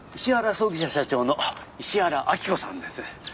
葬儀社社長の石原明子さんです。